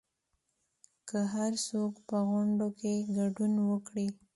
که هرڅوک په غونډو کې ګډون وکړي